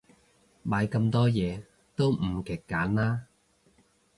買咁多嘢，都唔極簡啦